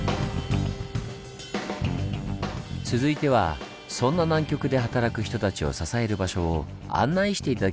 続いてはそんな南極で働く人たちを支える場所を案内して頂きましょう！